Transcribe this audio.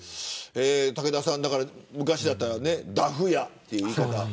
武田さん昔だったらダフ屋という。